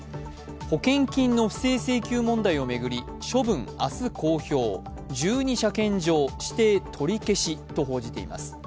保険金の不正請求問題を巡り、処分明日公表、１２車検場、指定取り消しと報じています。